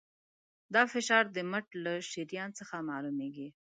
دا فشار د مټ له شریان څخه معلومېږي.